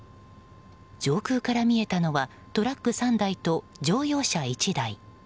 上空から見えたのはトラック３台と乗用車１台。